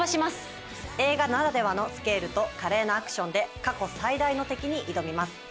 菜々緒：映画ならではのスケールと、華麗なアクションで過去最大の敵に挑みます。